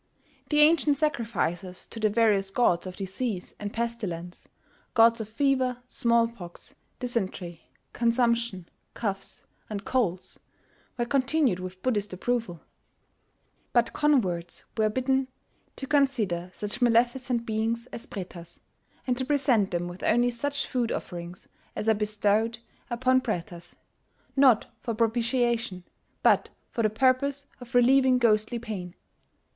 The ancient sacrifices to the various gods of disease and pestilence gods of fever, small pox, dysentery, consumption, coughs, and colds were continued with Buddhist approval; but converts were bidden to consider such maleficent beings as Pretas, and to present them with only such food offerings as are bestowed upon Pretas not for propitiation, but for the purpose of relieving ghostly pain.